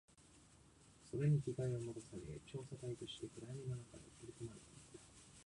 それに着替えを持たされ、調査隊として暗闇の中に送り込まれていった